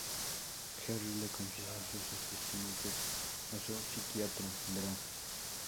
Jerry le confiesa sus asesinatos a su psiquiatra Dra.